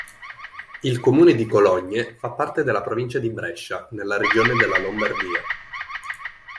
Il comune di Cologne fa parte della provincia di Brescia, nella regione della Lombardia.